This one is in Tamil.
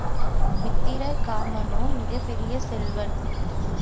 மித்திரகாமனோ மிகப் பெரிய செல்வன்.